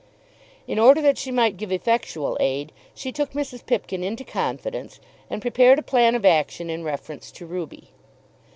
In order that she might give effectual aid she took Mrs. Pipkin into confidence, and prepared a plan of action in reference to Ruby.